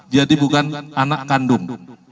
jadi bukan anak kandung